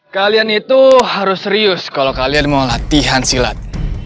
kalian itu harus serius kalau kalian mau latihan silat